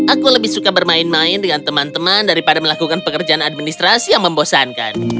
aku lebih suka bermain main dengan teman teman daripada melakukan pekerjaan administrasi yang membosankan